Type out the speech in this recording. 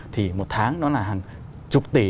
thì một tháng nó là hàng chục tỷ